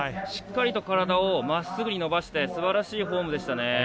しっかりと体をまっすぐに伸ばしてすばらしいフォームでしたね。